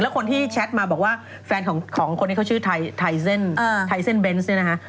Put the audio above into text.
แล้วคนที่แชทมาบอกว่าแฟนของคนนี้เขาชื่อไทเซนเบนซนี่นะคะ